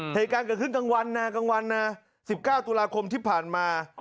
เหตุการณ์เกิดขึ้นกลางวันนะกลางวันนะ๑๙ตุลาคมที่ผ่านมา